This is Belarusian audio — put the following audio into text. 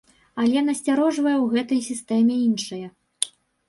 Але насцярожвае ў гэтай сістэме іншае.